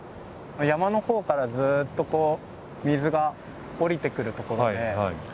山のほうからずっとこう水が下りてくる所で。